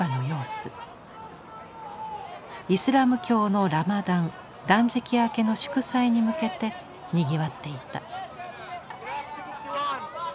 イスラム教のラマダン断食明けの祝祭に向けてにぎわっていた。